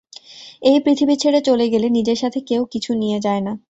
এই পৃথিবী ছেড়ে চলে গেলে নিজের সাথে কেউ কিছু নিয়ে যায় না।